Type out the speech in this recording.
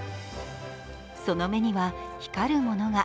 その目には光るものが